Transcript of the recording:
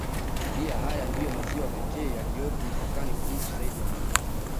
Pia haya ndiyo maziwa pekee yaliyopo mipakani mwa nchi zaidi ya moja